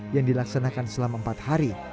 yang dilaksanakan selama empat hari